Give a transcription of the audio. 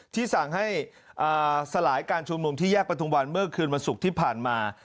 ที่สั่งให้สลายการชุมนุมที่แยกประทุมวันเมื่อคืนวันศุกร์ที่ผ่านมา